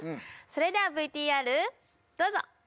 それではＶＴＲどうぞ！